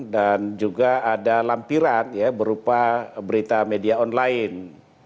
dan juga ada lampiran ya berupa berita media online